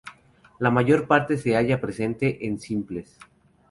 La mayor parte se halla presente en simples.